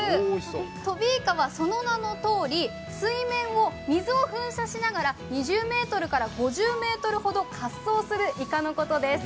トビイカはその名のとおり水面を水を噴射しながら２０５０ｍほど滑走するイカのことです。